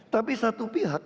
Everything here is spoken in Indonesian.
tapi satu pihak